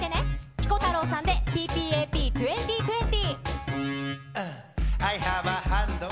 ピコ太郎さんで、ＰＰＡＰ２０２０